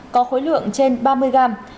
có khối lượng trên ba mươi gram